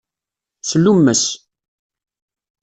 Slummes.